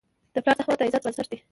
د پلار زحمت د عزت بنسټ دی.